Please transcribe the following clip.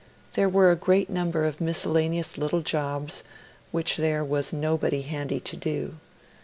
There were a great number of miscellaneous little jobs which there was nobody handy to do.